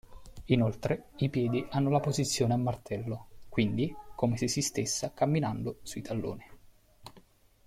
Inoltre, i piedi hanno la posizione a martello, quindi come se si stessa camminando sui talloni.